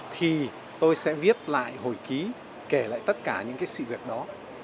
thì tôi sẽ viết lại hồi ký kể lại tất cả những cái sự việc đó